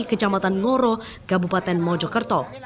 kecamatan ngoro kabupaten mojokerto